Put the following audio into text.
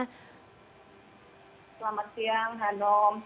selamat siang hanom